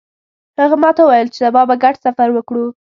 هغه ماته وویل چې سبا به ګډ سفر وکړو